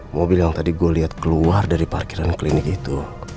mobil yang tadi gue lihat keluar dari parkiran klinik itu